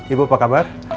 ibu apa kabar